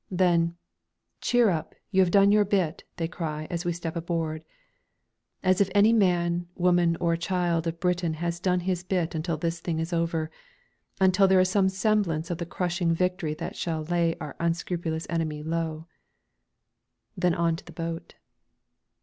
Then "Cheer up, you have done your bit," they cry as we step aboard. As if any man, woman or child of Britain has done his bit until this thing is over, until there is some semblance of the crushing victory that shall lay our unscrupulous enemy low! Then on to the boat.